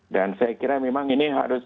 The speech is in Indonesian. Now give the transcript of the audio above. dan saya kira memang ini adalah kesalahan umum